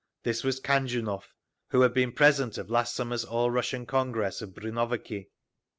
This was Khanjunov, who had been president of last summer's all Russian Congress of _Brunnoviki.